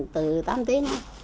từ tám tiếng